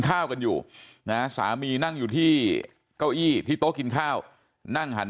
ข้าวกันอยู่นะสามีนั่งอยู่ที่เก้าอี้ที่โต๊ะกินข้าวนั่งหัน